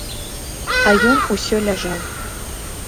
А ён усё ляжаў.